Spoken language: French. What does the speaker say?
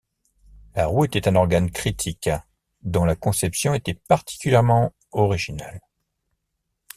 La roue était un organe critique dont la conception était particulièrement originale.